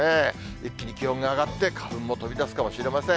一気に気温が上がって、花粉も飛び出すかもしれません。